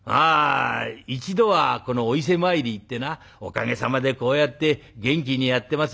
一度はこのお伊勢参り行ってなおかげさまでこうやって元気にやってます。